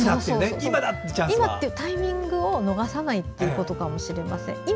今というタイミングを逃さないということかもしれません。